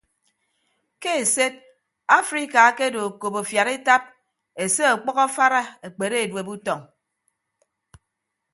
Ke esed afrika akedo okop afiad etap ese ọkpʌk afara ekpere edueb utọñ.